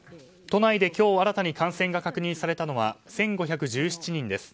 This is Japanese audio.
都内で今日新たに感染が確認されたのは１５１７人です。